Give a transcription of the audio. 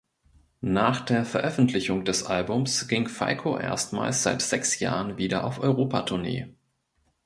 Nach der Veröffentlichung des Albums ging Falco erstmals seit sechs Jahren wieder auf Europa-Tournee.